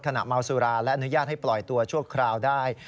เมาสุราและอนุญาตให้ปล่อยตัวชั่วคราวได้